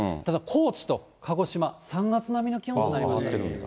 ただ高知と鹿児島、３月並みの気温となりました。